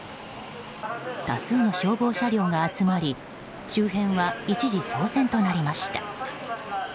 多数の消防車両が集まり周辺は一時、騒然となりました。